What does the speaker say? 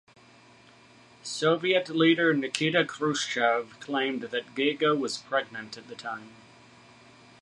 Soviet leader Nikita Khrushchev claimed that Gega was pregnant at the time.